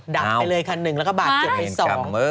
ดับไปเลยคันหนึ่งแล้วก็บาดเจ็บไปสอง